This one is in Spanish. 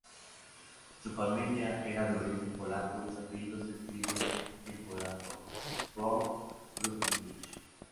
Su familia era de origen polaco y su apellido se escribe en polaco "Boncz-Brujewicz".